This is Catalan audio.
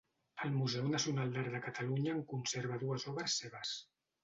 El Museu Nacional d'Art de Catalunya en conserva dues obres seves.